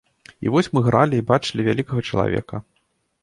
І вось мы гралі і бачылі вялікага чалавека.